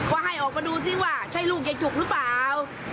ว่าให้ออกมาดูซิว่าใช่ลูกยายจุกหรือเปล่า